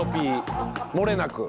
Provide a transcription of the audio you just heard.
もれなく。